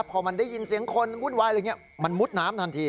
พอมันได้ยินเสียงคนวุ่นวายมันมุดน้ำทันที